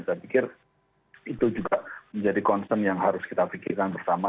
saya pikir itu juga menjadi concern yang harus kita pikirkan bersama